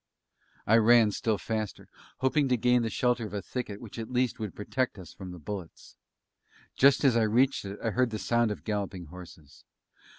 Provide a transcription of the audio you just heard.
I ran still faster, hoping to gain the shelter of a thicket which at least would protect us from the bullets. Just as I reached it I heard the sound of galloping horses.